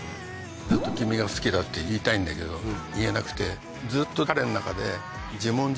ずっと「君が好きだ」って言いたいんだけど言えなくてずっと彼の中で。